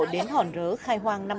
đúng đúng kheo quang năm bảy mươi sáu